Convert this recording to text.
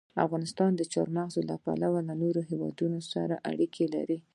افغانستان د چار مغز له پلوه له نورو هېوادونو سره اړیکې لري.